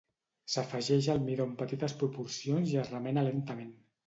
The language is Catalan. S'afegeix el midó en petites proporcions i es remena lentament.